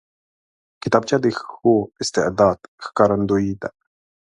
کتابچه د ښو استعداد ښکارندوی ده